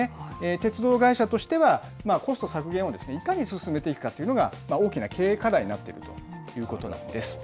鉄道会社としてはコスト削減をいかに進めていくかというのが、大きな経営課題になっているということなんです。